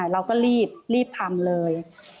เราก็รีบทำเลย